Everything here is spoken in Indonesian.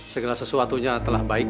segala sesuatunya telah baik